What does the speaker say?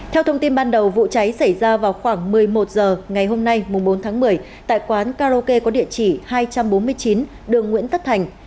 theo thông tin ban đầu vụ cháy xảy ra vào khoảng một mươi một h ngày hôm nay bốn tháng một mươi tại quán karaoke có địa chỉ hai trăm bốn mươi chín đường nguyễn tất thành